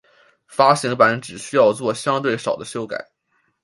发行版只需要作相对少的修改。